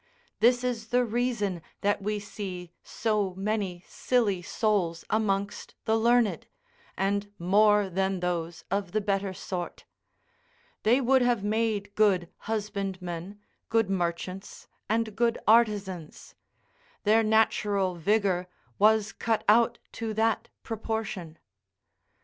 This is the reason that we see so many silly souls amongst the learned, and more than those of the better sort: they would have made good husbandmen, good merchants, and good artisans: their natural vigour was cut out to that proportion.